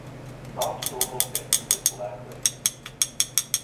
Soft dorsal fin with black rays.